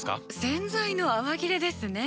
洗剤の泡切れですね。